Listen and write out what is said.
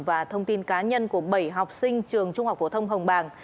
và thông tin cá nhân của bảy học sinh trường trung học phổ thông hồng bàng